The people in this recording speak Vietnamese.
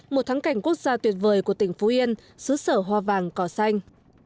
một thắng cảnh quốc gia tuyệt vời của tỉnh phú yên xứ sở hoa vàng cỏ xanh